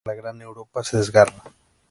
Hay prisa, ya que la gran Europa se desgarra.